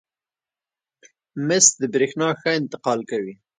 مسو د برېښنا ښه انتقال کوي.